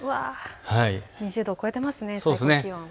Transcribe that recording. ２０度を超えていますね最高気温。